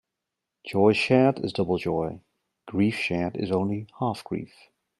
Joy shared is double joy; grief shared is only half grief.